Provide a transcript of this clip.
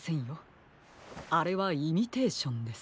あれはイミテーションです。